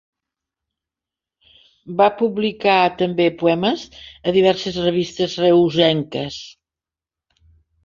Va publicar també poemes a diverses revistes reusenques.